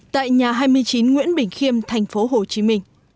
tại nhà hai mươi chín nguyễn bình khiêm tp hcm